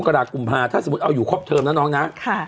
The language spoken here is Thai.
มกระดาษกลุมภาคมถ้าสมมุติเอาอยู่ครอบเทิมนะน้องนะค่ะ